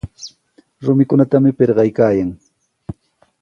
Rumikunatami pirqaykaayan.